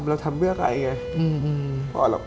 เราทำเพื่อใครไง